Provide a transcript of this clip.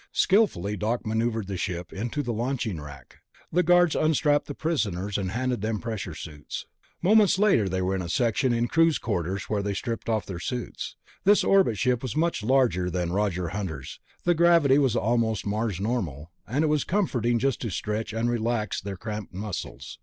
Skilfully Doc maneuvered the ship into the launching rack. The guards unstrapped the prisoners, and handed them pressure suits. Moments later they were in a section in crews' quarters where they stripped off their suits. This orbit ship was much larger than Roger Hunter's; the gravity was almost Mars normal, and it was comforting just to stretch and relax their cramped muscles.